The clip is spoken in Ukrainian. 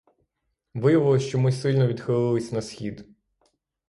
Виявилось, що ми сильно відхилились на схід.